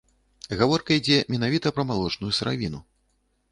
Гаворка ідзе менавіта пра малочную сыравіну.